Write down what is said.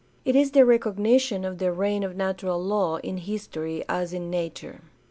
It is the recognition of the reign of natural law in history as in nature.